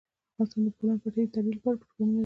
افغانستان د د بولان پټي د ترویج لپاره پروګرامونه لري.